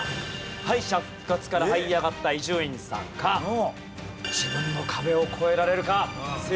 敗者復活から這い上がった伊集院さんか自分の壁を越えられるかせいやさんか。